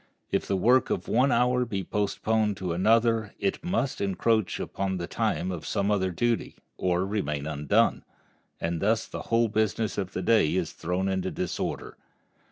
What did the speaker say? If the work of one hour be postponed to another it must encroach upon the time of some other duty, or remain undone, and thus the whole business of the day is thrown into disorder.